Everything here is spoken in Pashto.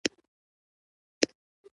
ترمینل ته په ننوتلو کتار ته ودرېدو.